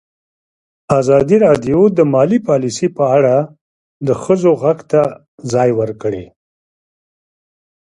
ازادي راډیو د مالي پالیسي په اړه د ښځو غږ ته ځای ورکړی.